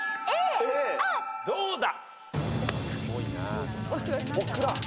どうだ！？